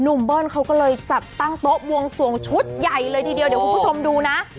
เบิ้ลเขาก็เลยจัดตั้งโต๊ะบวงสวงชุดใหญ่เลยทีเดียวเดี๋ยวคุณผู้ชมดูนะ